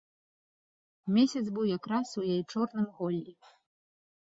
Месяц быў якраз у яе чорным голлі.